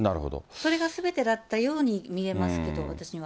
それがすべてだったように見えますけど、私には。